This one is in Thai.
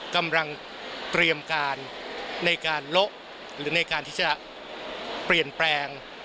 กำลังเตรียมการในการละหรือในการที่จะเปลี่ยนแปลง